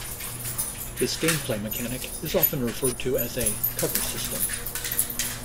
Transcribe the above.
This gameplay mechanic is often referred to as a "cover system".